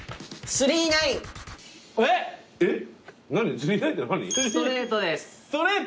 ストレートです。